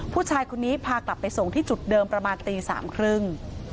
ผู้ชายคนนี้พากลับไปส่งที่จุดเดิมประมาณตีสามครึ่ง